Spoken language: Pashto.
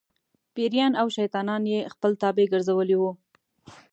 پېریان او شیطانان یې خپل تابع ګرځولي وو.